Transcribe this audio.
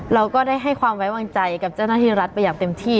เราก็ได้ให้ความไว้วางใจกับเจ้าหน้าที่รัฐไปอย่างเต็มที่